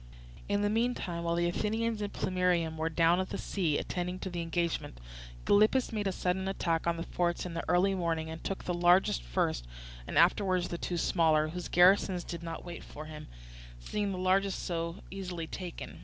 In the meantime, while the Athenians in Plemmyrium were down at the sea, attending to the engagement, Gylippus made a sudden attack on the forts in the early morning and took the largest first, and afterwards the two smaller, whose garrisons did not wait for him, seeing the largest so easily taken.